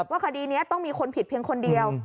คดีนี้ต้องมีคนผิดเพียงคนเดียว